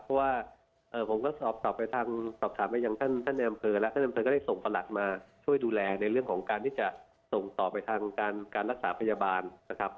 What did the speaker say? เพราะว่าผมก็สอบถามไปจากท่านแอมเภอแล้วท่านแอมเภอก็ได้ส่งตลัดมาช่วยดูแลในเรื่องของการที่จะส่งต่อไปทางการรักษาพยาบาลนะครับ